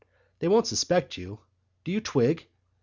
They won't suspect you. Do you twig?"